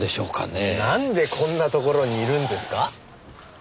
なんでこんな所にいるんですか？